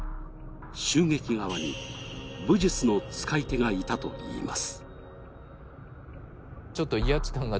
襲撃側に武術の使い手がいたといいます。